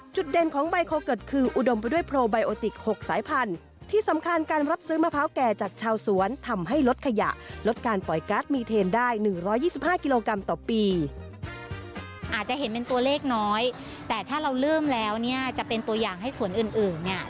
จุดเด่นของใบโคเกิร์ตคืออุดมไปด้วยโปรไบโอติก๖สายพันธุ์